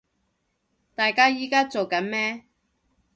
大家依家做緊咩